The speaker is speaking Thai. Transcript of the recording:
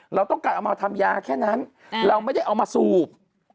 เราต้องการเอามาทำยาแค่นั้นเราไม่ได้เอามาสูบ